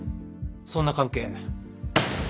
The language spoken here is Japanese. そんな関係。